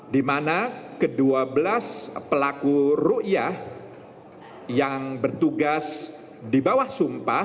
di mana ke dua belas pelaku ru'yah yang bertugas di bawah sumpah